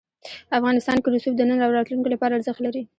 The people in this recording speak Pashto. افغانستان کې رسوب د نن او راتلونکي لپاره ارزښت لري.